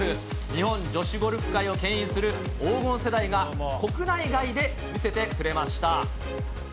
日本女子ゴルフ界をけん引する黄金世代が、国内外で見せてくれました。